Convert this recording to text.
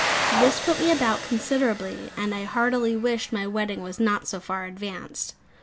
This put me about considerably; and I heartily wished my wedding was not so far advanced.